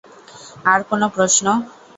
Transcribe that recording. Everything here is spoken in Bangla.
আর কোনো প্রশ্ন?